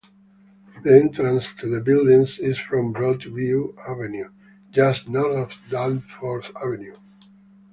The entrance to the building is from Broadview Avenue just north of Danforth Avenue.